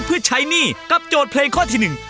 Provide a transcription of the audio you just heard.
เพื่อใช้หนี้กับโจทย์เพลงข้อที่๑